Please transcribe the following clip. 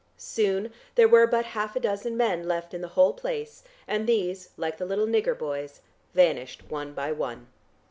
Soon there were but half a dozen men left in the whole place and these, like the little nigger boys, vanished one by one.